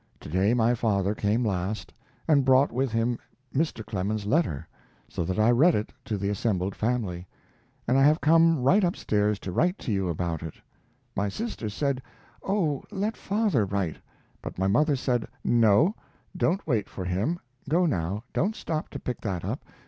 To day my father came last, and brought with him Mr. Clemens's letter, so that I read it to the assembled family, and I have come right up stairs to write to you about it. My sister said, "Oh, let father write!" but my mother said, "No, don't wait for him. Go now; don't stop to pick that up.